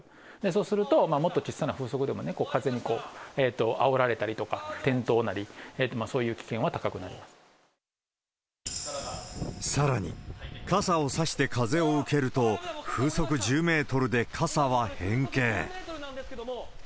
そうすると、もっと小さな風速でもね、もっと風にあおられたりとか転倒なり、さらに、傘を差して風を受けると、風速１０メートルで傘は変形。